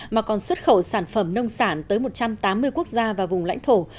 mà còn xuất khẩu sản phẩm nông sản tới một trăm tám mươi quốc gia và vùng lãnh thổ